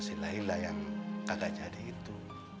si laila yang kagak jadi itu